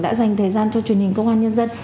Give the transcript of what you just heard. đã dành thời gian cho truyền hình công an nhân dân